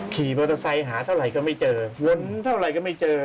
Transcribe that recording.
ขี่มอเตอร์ไซค์หาเท่าไหร่ก็ไม่เจอวนเท่าไหร่ก็ไม่เจอ